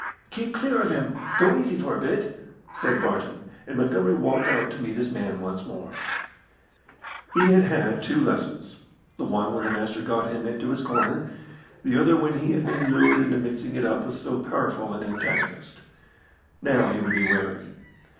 "Keep clear of him! Go easy for a bit," said Barton, and Montgomery walked out to meet his man once more. He had had two lessons the one when the Master got him into his corner, the other when he had been lured into mixing it up with so powerful an antagonist. Now he would be wary.